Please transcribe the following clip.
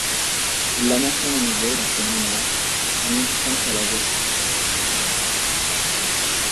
Il la mentionne à nouveau dans ses mémoires, en indiquant qu'elle avait '.